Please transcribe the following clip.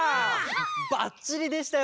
ばっちりでしたよ